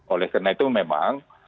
oleh karena itu memang